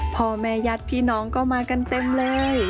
พ่อแม่ญาติพี่น้องก็มากันเต็มเลย